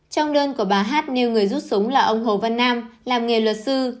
trong đơn của bà hát nêu người rút sống là ông hồ văn nam làm nghề luật sư